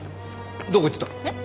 どこ行ってた？えっ？